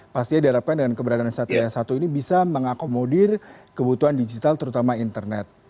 pastinya diharapkan dengan keberadaan satria satu ini bisa mengakomodir kebutuhan digital terutama internet